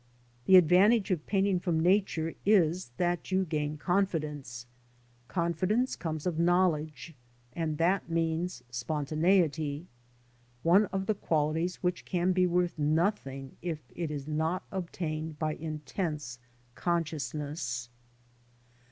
The advantage of painting from Nature is that you gain confidence. Confidence comes of knowledge, and that means spontaneity, one of the qualities which can be worth nothing if it is not obtained by intense consciousness.